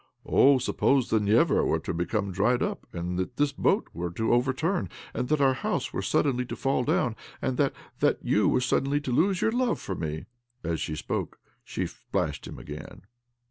" Oh, suppose the Neva were to become dried up, and that this boat were to over turn, and that our house were suddenly to fall down, and that — that you were suddenly to lose your love for me ?" As she spoke she splashed him again.